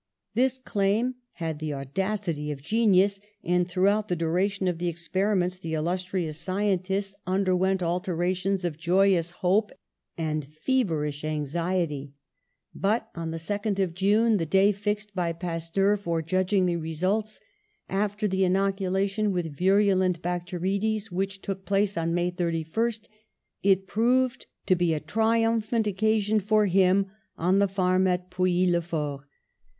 This claim had the au dacity of genius, and throughout the duration of the experiments the illustrious scientist mi 130 PASTEUR derwent alternations of joyous hope and fever ish anxiety. But on the 2d of June, the day fixed by Pasteur for judging the results, after the inoculation with virulent bacterides, which took place on May 31, it proved to be a tri umphant occasion for him on the farm at Pouilly le Fort.